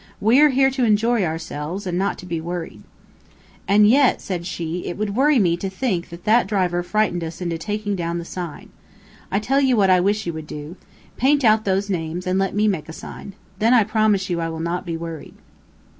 We are here to enjoy ourselves, and not to be worried." "And yet," said she, "it would worry me to think that that driver frightened us into taking down the sign. I tell you what I wish you would do. Paint out those names, and let me make a sign. Then I promise you I will not be worried."